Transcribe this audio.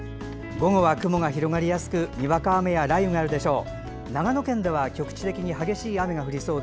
午後は雲が広がりやすくにわか雨や雷雨があるでしょう。